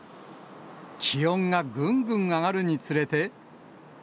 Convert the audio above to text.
気温がぐんぐん上がるにつれて。